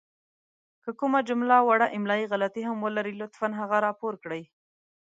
که کومه جمله وړه املائې غلطې هم ولري لطفاً هغه راپور کړئ!